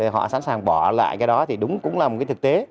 họ sẵn sàng bỏ lại cái đó thì đúng cũng là một cái thực tế